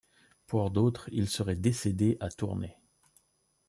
Pour d'autres, il serait décédé à Tournai.